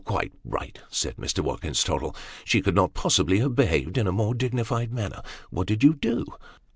" Quite right !" said Mr. Watkins Tottle ;" she could not possibly have behaved in a more dignified manner. What did you do